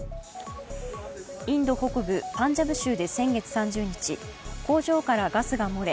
インド北部・パンジャブ州で先月３０日、工場からガスが漏れ